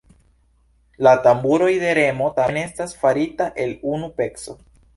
La tamburoj de Remo tamen estas farita el unu peco.